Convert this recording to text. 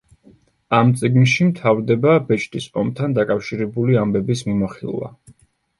ამ წიგნში მთავრდება ბეჭდის ომთან დაკავშირებული ამბების მიმოხილვა.